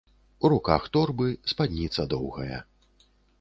У руках торбы, спадніца доўгая.